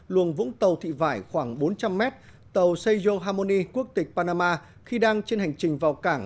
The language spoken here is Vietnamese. luồng vũng tàu thị vải khoảng bốn trăm linh m tàu seiyo harmony quốc tịch panama khi đang trên hành trình vào cảng